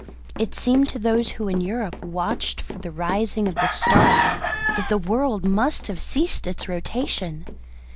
It seemed to those who in Europe watched for the rising of the star that the world must have ceased its rotation.